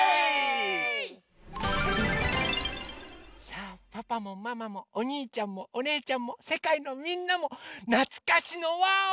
さあパパもママもおにいちゃんもおねえちゃんもせかいのみんなもなつかしの「わお！」ですよ！